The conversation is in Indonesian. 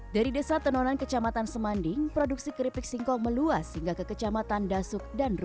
dari desa tenonan kecamatan semanding produksi keripik singkong meluas hingga ke kecamatan dasuk